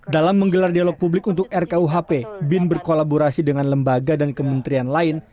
dalam menggelar dialog publik untuk rkuhp bin berkolaborasi dengan lembaga dan kementerian lain